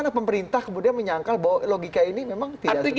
anda gimana pemerintah kemudian menyangkal bahwa logika ini memang tidak supernya